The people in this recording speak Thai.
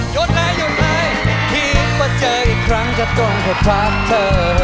ยนต์ไหลยนต์ไหลคิดว่าเจออีกครั้งจะต้องให้พักเธอ